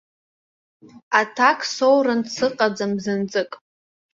Аҭак соуран сыҟаӡам бзанҵык.